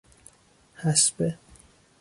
حصبه